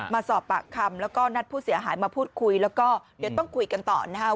มาสอบปากคำแล้วก็นัดผู้เสียหายมาพูดคุยแล้วก็เดี๋ยวต้องคุยกันต่อนะครับ